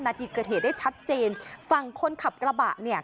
ณที่เกี่ยวชาติเหตุได้ชัดเจนฟังคนขับกระบะเนี่ย